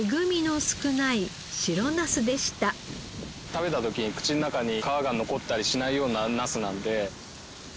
食べた時に口の中に皮が残ったりしないようなナスなんで。